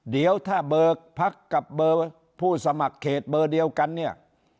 เดี๋ยวถ้าเบอร์พักกับเบอร์ผู้สมัครเขตเบอร์เดียวกันเนี่ย